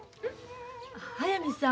速水さん